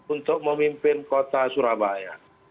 untuk memimpin kota surabaya